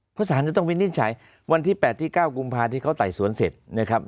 เพราะสารจะต้องวินิจฉัยวันที่๘ที่๙กุมภาที่เขาไต่สวนเสร็จนะครับ